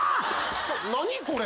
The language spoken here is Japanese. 何これ？